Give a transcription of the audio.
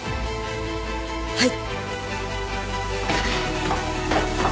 はい。